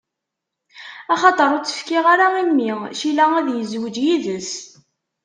Axaṭer ur tt-fkiɣ ara i mmi Cila, ad izweǧ yid-s.